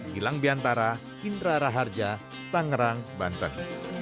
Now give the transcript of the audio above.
gilang biantara indra raharja tangerang banten